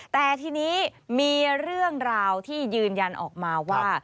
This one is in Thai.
แต่ทีนี้มีเรื่องราวที่ยืนยันออกมาว่า